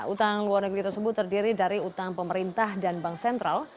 utang luar negeri tersebut terdiri dari utang pemerintah dan bank sentral